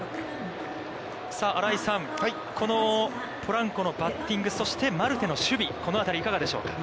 さあ、新井さん、このポランコのバッティング、そしてマルテの守備、この辺りいかがでしょうか。